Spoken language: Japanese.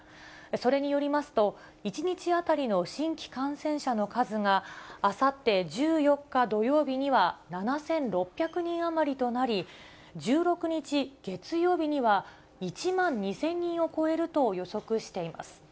それによりますと、１日当たりの新規感染者の数が、あさって１４日土曜日には７６００人余りとなり、１６日月曜日には、１万２０００人を超えると予測しています。